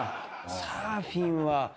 サーフィンは。